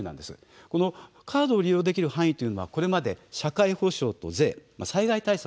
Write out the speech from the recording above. カードを利用できる範囲というのはこれまで社会保障と税災害対策